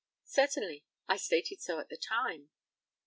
Certainly; I stated so at the time.